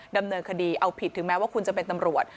ดำเนินคดีเอาผิดถึงแม้ว่าคุณจะเป็นตำรวจ